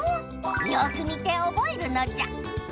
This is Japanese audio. よく見ておぼえるのじゃ。